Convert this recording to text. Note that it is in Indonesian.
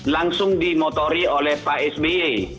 langsung dimotori oleh pak sby